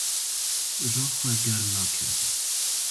Ro xwe germ nake.